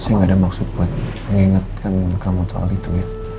saya gak ada maksud buat mengingatkan kamu soal itu ya